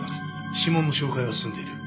指紋の照会は済んでいる。